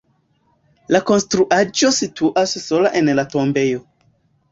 La konstruaĵo situas sola en la tombejo.